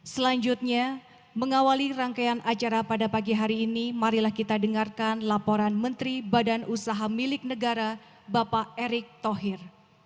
selanjutnya mengawali rangkaian acara pada pagi hari ini marilah kita dengarkan laporan menteri badan usaha milik negara bapak erick thohir